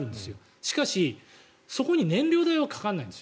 しかし、そこに燃料代はかからないんです。